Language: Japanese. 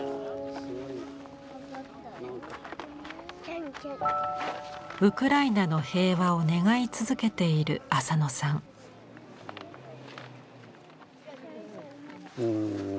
でもウクライナの平和を願い続けている浅野さん。